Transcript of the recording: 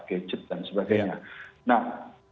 gadget dan sebagainya nah